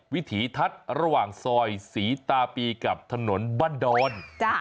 วิถีทัศน์ระหว่างซอยศรีตาปีกับถนนบ้านดอน